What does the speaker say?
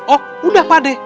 oh udah pade